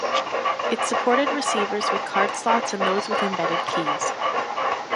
It supported receivers with card slots and those with embedded keys.